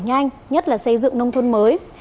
nhanh nhất là xây dựng nông thôn mới